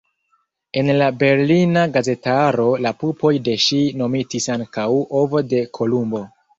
En la berlina gazetaro la pupoj de ŝi nomitis ankaŭ "ovo de Kolumbo".